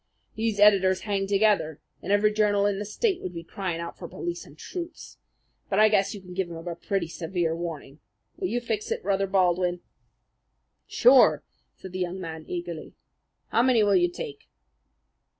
These editors hang together, and every journal in the state would be crying out for police and troops. But I guess you can give him a pretty severe warning. Will you fix it, Brother Baldwin?" "Sure!" said the young man eagerly. "How many will you take?"